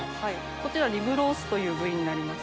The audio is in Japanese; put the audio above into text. こちらリブロースという部位になります。